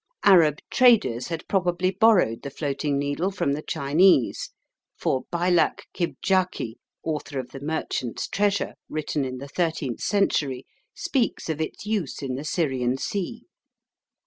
Arab traders had probably borrowed the floating needle from the Chinese, for Bailak Kibdjaki, author of the Merchant's Treasure, written in the thirteenth century, speaks of its use in the Syrian sea.